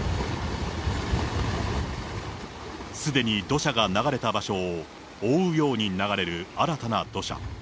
すでに土砂が流れた場所を覆うように流れる新たな土砂。